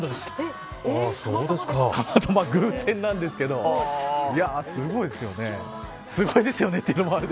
たまたま偶然なんですけどすごいですよね。